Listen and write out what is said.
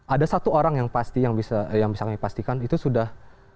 ada satu orang yang pasti yang bisa kami pastikan itu sudah